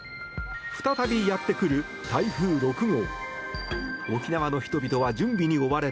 再びやってくる台風６号。